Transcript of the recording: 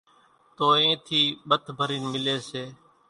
تو اين ٿي ٻٿ ڀرين ملي سي